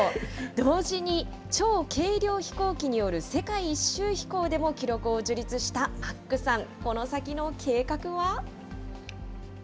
同時に、超軽量飛行機による世界一周飛行でも記録を樹立したマックさん。